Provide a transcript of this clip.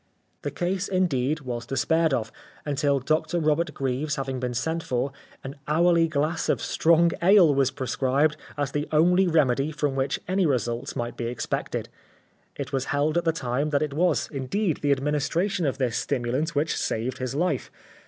The case, indeed, was despaired of, until Dr Robert Greaves having been sent for, an hourly glass of strong ale was prescribed as the only remedy from which any results might be expected. It was held at the time that it was, indeed, the administration of this stimulant which saved his life.